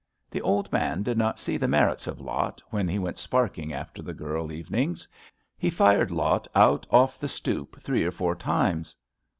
The old man did not see the merits of Lot when he went sparking after the girl even ings. He fired Lot out off the stoop three or four times.